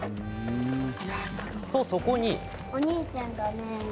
と、そこに。